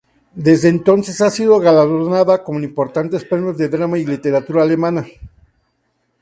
Desde entonces ha sido galardonada con importantes premios de drama y literatura en Alemania.